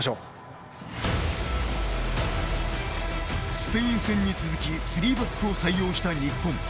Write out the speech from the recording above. スペイン戦に続き３バックを採用した日本。